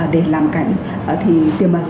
để làm cảnh thì tiềm ẩn